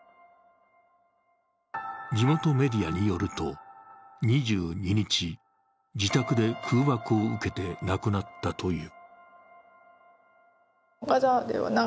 地元メディアによると２２日、自宅で空爆を受けて亡くなったという。